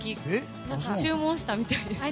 注文したみたいです。